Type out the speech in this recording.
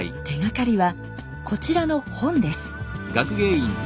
手がかりはこちらの本です。